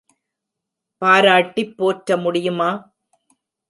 பாராட்டிப் போற்ற முடியுமா?